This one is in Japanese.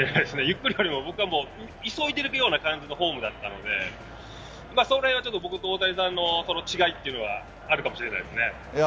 ゆっくりよりも、僕は急いでるようなフォームだったのでそれは僕と大谷さんの違いというのはあるかもしれないですね。